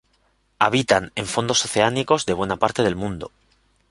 Habitan en fondos oceánicos de buena parte del mundo.